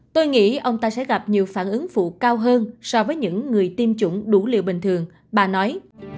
tôi nghĩ ông ta sẽ gặp nhiều phản ứng phụ cao hơn so với những người tiêm chủng đủ liều bình thường bà nói